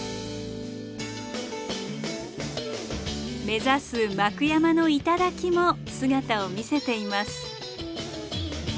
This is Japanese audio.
目指す幕山の頂も姿を見せています。